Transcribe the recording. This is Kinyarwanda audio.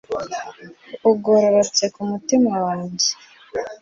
Ugororotse ku mutima wanjye